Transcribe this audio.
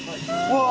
うわ！